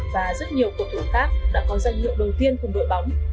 và rất nhiều cầu thủ khác đã có danh hiệu đầu tiên cùng đội bóng